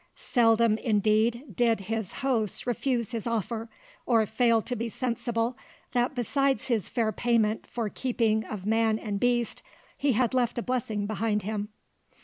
Seldom indeed did his hosts refuse his offer, or fail to be sensible that besides his fair payment for keep of man and beast, he had left a blessing behind him.